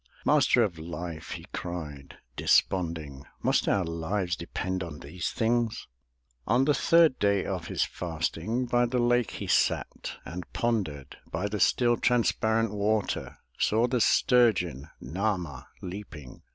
"Master of Life!'' he cried, desponding, "Must our lives depend on these things?" On the third day of his fasting By the lake he sat and pondered. By the still, transparent water; Saw the sturgeon, Nah'ma, leaping.